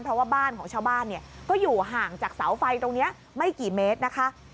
เพราะว่าบ้านของชาวบ้านเนี่ยก็อยู่ห่างจากเสาไฟตรงนี้ไม่กี่เมตรนะคะ